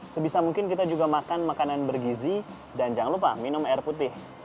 sebisa mungkin kita juga makan makanan bergizi dan jangan lupa minum air putih